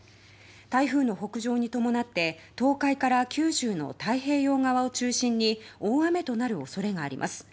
台風の北上に伴って東海から九州の太平洋側を中心に大雨となる恐れがあります。